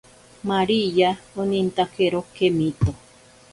Maríya onintakero kemito.